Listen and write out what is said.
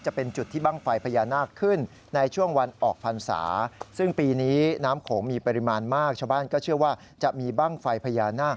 จะเป็นจุดที่บ้างไฟพญานาคขึ้น